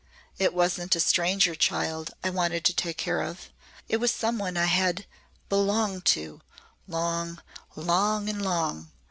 "It wasn't a stranger child I wanted to take care of. It was some one I had belonged to long long and long.